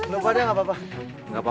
lupa deh nggak apa apa